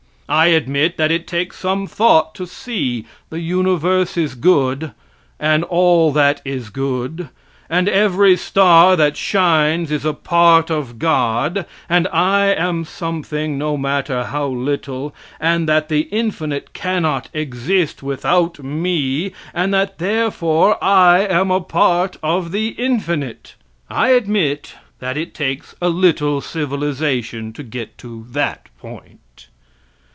I admit that it takes some thought to see the universe is good and all that is good, and every star that shines is a part of God, and I am something, no matter how little, and that the infinite cannot exist without me, and that therefore I am a part of the infinite. I admit that it takes a little civilization to get to that point.